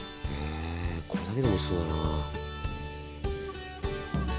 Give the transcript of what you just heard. これだけでもおいしそうだなあ。